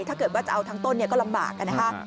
ถ้าเกิดว่าจะเอาทั้งต้นก็ลำบากนะคะ